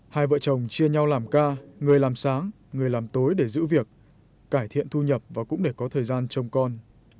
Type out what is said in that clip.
hai vợ chồng chia nhau làm ca người làm sáng người làm tối để giữ việc cải thiện thu nhập và cũng để có thời gian trông con